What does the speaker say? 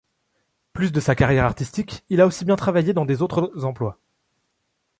Plus de sa carrière artistique, il a aussi bien travaillé dans des autres emplois.